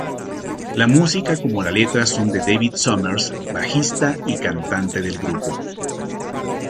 La música como la letra son de David Summers, bajista y cantante del grupo.